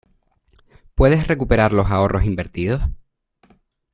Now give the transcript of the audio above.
¿Puedes recuperar los ahorros invertidos?